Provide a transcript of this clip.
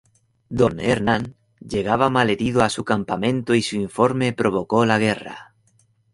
Don Hernán llega malherido a su campamento y su informe provoca la guerra.